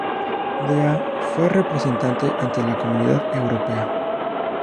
De a fue representante ante la Comunidad Europea.